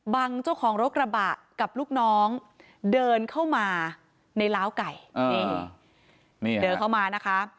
เจ้าของรถกระบะกับลูกน้องเดินเข้ามาในล้าวไก่นี่เดินเข้ามานะคะ